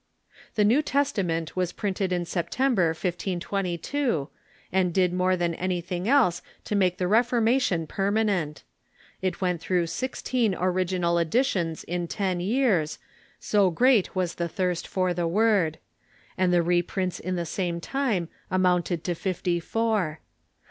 The New Testament was printed in September, 1522, and did more than anything else to make the Reformation per raanent. It went through sixteen original editions in ten years, so great was the thirst for the Word ; and the reprints in the same time amounted to fifty four.